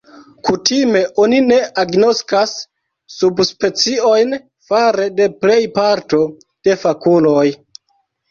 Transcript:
Kutime oni ne agnoskas subspeciojn fare de plej parto de fakuloj.